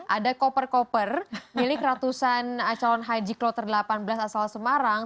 ada koper koper milik ratusan calon haji kloter delapan belas asal semarang